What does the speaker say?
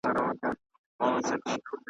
یېګانه چي له آزادي زندګۍ سي .